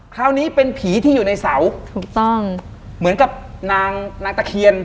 คราวนี้เป็นผีที่อยู่ในเสาถูกต้องเหมือนกับนางนางตะเคียน